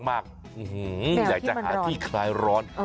แมวที่มันร้อนอยากจะหาที่คล้ายร้อน